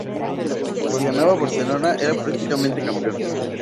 Si ganaba Barcelona era prácticamente campeón.